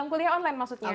kuliah online maksudnya